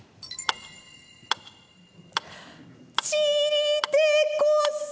「散りてこそ」